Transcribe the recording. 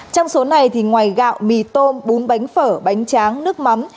trong số này thì ngoài gạo mì tôm bún bánh phở bánh tráng nước mắm